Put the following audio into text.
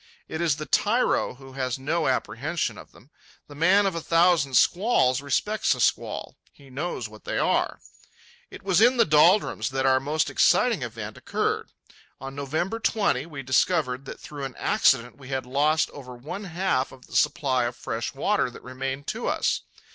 It is the tyro who has no apprehension of them. The man of a thousand squalls respects a squall. He knows what they are. It was in the doldrums that our most exciting event occurred. On November 20, we discovered that through an accident we had lost over one half of the supply of fresh water that remained to us.